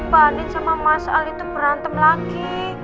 banding sama mas al itu berantem lagi